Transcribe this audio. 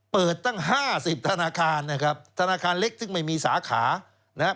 เปิดตั้งห้าสิบธนาคารนะครับธนาคารเล็กซึ่งไม่มีสาขานะฮะ